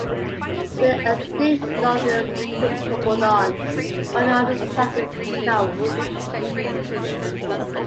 To the extreme north is Tupopodon, while on the South is Ghawush.